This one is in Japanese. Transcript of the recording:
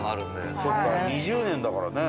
そっか２０年だからね。